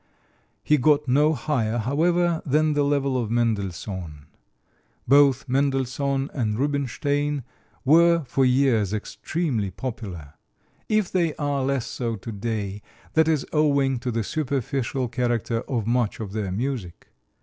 He got no higher, however, than the level of Mendelssohn. Both Mendelssohn and Rubinstein were for years extremely popular. If they are less so today, that is owing to the superficial character of much of their music.